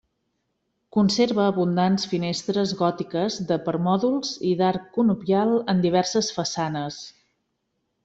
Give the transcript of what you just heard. Conserva abundants finestres gòtiques, de permòdols i d'arc conopial en diverses façanes.